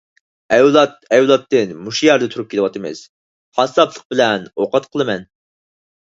ئەۋلاد - ئەۋلادتىن مۇشۇ يەردە تۇرۇپ كېلىۋاتىمىز، قاسساپلىق بىلەن ئوقەت قىلىمەن.